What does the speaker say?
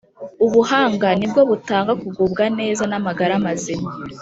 Ubuhanga ni bwo butanga kugubwa neza n’amagara mazima